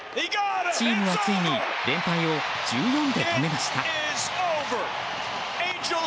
チームはついに連敗を１４で止めました。